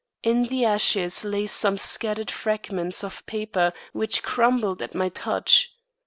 In the ashes lay some scattered fragments of paper which crumbled at my touch.